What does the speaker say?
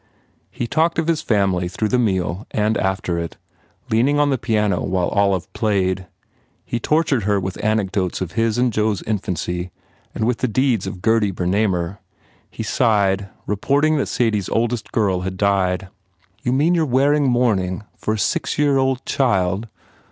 He talked of his family through the meal and after it, leaning on the piano while Olive played. He tortured her with anecdotes of his and Joe s infancy and with the deeds of Gurdy Bernamer. He sighed, reporting that Sadie s oldest girl had died. "You mean you re wearing mourning for a six year old child!"